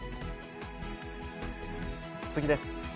次です。